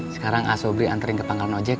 sekarang asobri anterin ke tanggal nojek